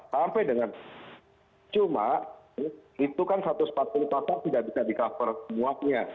sampai dengan cuma itu kan satu ratus empat puluh pasal tidak bisa di cover semuanya